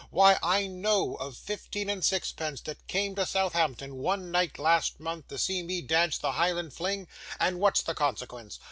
Why I KNOW of fifteen and sixpence that came to Southampton one night last month, to see me dance the Highland Fling; and what's the consequence?